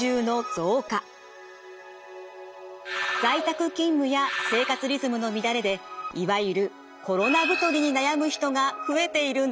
在宅勤務や生活リズムの乱れでいわゆるコロナ太りに悩む人が増えているんです。